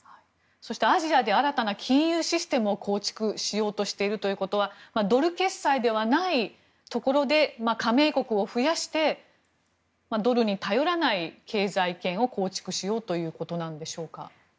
そしてアジアで新たな金融システムを構築しようとしているということはドル決済ではないところで加盟国を増やしてドルに頼らない経済圏を構築しようということでしょうか？